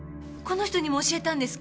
この人にも教えたんですか？